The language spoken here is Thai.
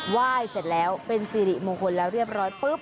ไหว้เสร็จแล้วเป็นซิริมงคลแล้วเรียบร้อย